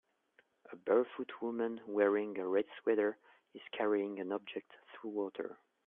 A barefoot woman wearing a red sweater is carrying an object through water